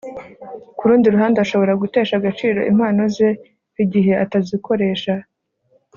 ku rundi ruhande, ashobora gutesha agaciro impano ze igihe atazikoresha